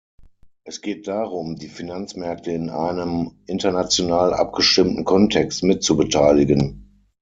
Es geht darum, die Finanzmärkte in einem international abgestimmten Kontext mit zu beteiligen.